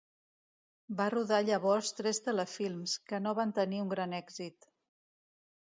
Va rodar llavors tres telefilms, que no van tenir un gran èxit.